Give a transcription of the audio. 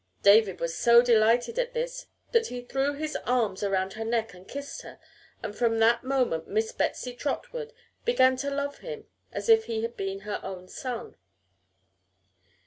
David was so delighted at this that he threw his arms around her neck and kissed her, and from that moment Miss Betsy Trotwood began to love him as if he had been her own son.